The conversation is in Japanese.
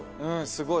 すごい。